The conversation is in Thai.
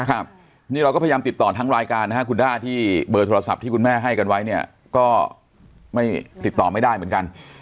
ครับนี่เราก็พยายามติดต่อทั้งรายการนะฮะคุณด้าที่เบอร์โทรศัพท์ที่คุณแม่ให้กันไว้เนี่ยก็ไม่ติดต่อไม่ได้เหมือนกัน